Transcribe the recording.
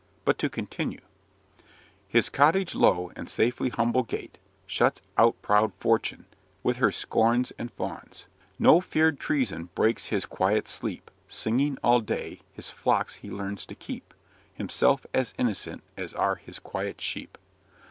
But to continue: 'His cottage low, and safely humble gate, Shuts out proud Fortune, with her scorns and fawns: No feared treason breaks his quiet sleep. Singing all day, his flocks he learns to keep, Himself as innocent as are his quiet sheep.'